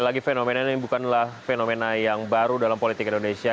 lagi fenomena ini bukanlah fenomena yang baru dalam politik indonesia